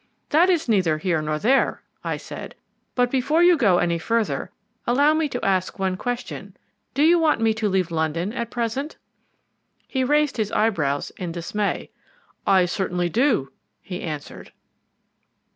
"That is neither here nor there," I said; "but before you go any further, allow me to ask one question. Do you want me to leave London at present?" He raised his eyebrows in dismay. "I certainly do," he answered.